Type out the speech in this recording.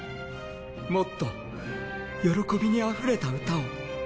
もっと喜びにあふれた歌を。